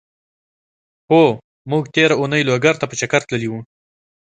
هو! مونږ تېره اونۍ لوګر ته په چګر تللی وو.